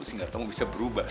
sehingga kamu bisa berubah